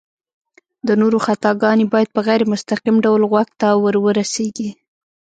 د نورو خطاګانې بايد په غير مستقيم ډول غوږ ته ورورسيږي